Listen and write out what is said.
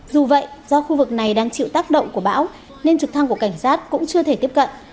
dù vậy do khu vực này đang chịu tác động của bão nên trực thăng của cảnh sát cũng chưa thể tiếp cận